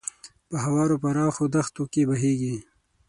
په هوارو پراخو دښتو کې بهیږي.